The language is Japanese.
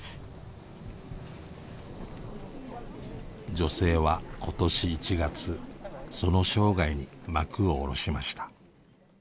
女性は今年１月その生涯に幕を下ろしました。